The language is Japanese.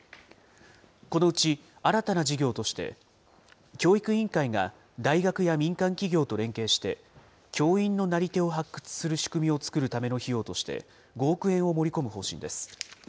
このうち新たな事業として、教育委員会が大学や民間企業と連携して、教員のなり手を発掘する仕組みを作るための費用として５億円を盛り込む方針です。